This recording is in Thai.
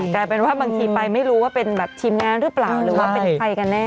กลายเป็นว่าบางทีไปไม่รู้ว่าเป็นแบบทีมงานหรือเปล่าหรือว่าเป็นใครกันแน่